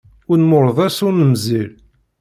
Ur nemmurḍes ur nemzil.